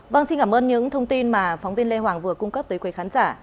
vâng xin cảm ơn những thông tin mà phóng viên lê hoàng vừa cung cấp tới quý khán giả